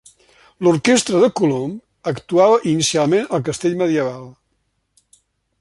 L'orquestra de Colom actuava inicialment al Castell medieval.